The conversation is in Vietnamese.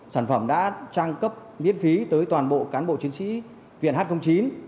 sản phẩm đã trang cấp miễn phí tới toàn bộ cán bộ chiến sĩ viện h chín